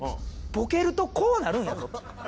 ボケるとこうなるんやぞと。